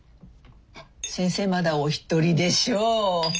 先生まだおひとりでしょう？